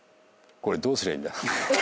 これどうすりゃいいんだ？って。